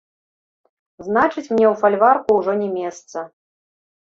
Значыць, мне ў фальварку ўжо не месца.